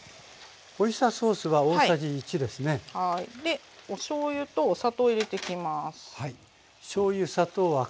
でおしょうゆとお砂糖入れてきます。